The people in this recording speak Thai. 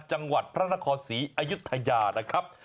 จังหวัดพระนครศรีอยุธยานะครับ